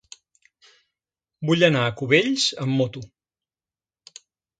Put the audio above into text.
Vull anar a Cubells amb moto.